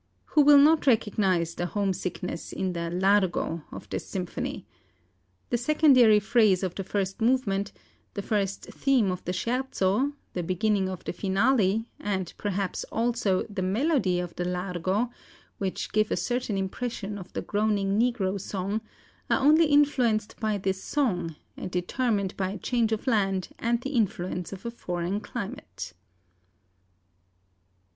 Who will not recognize the homesickness in the Largo of this symphony? The secondary phrase of the first movement, the first theme of the scherzo, the beginning of the finale, and perhaps, also, the melody of the Largo, which give a certain impression of the groaning negro song, are only influenced by this song, and determined by change of land and the influence of a foreign climate."